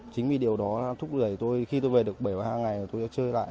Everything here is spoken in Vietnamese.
chính vì điều đó thúc rười tôi khi tôi về được bảy và hai ngày tôi đã chơi lại